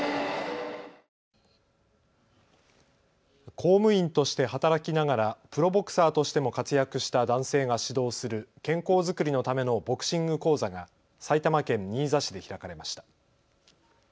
公務員として働きながらプロボクサーとしても活躍した男性が指導する健康づくりのためのボクシング講座が埼玉県新座市で開かれました。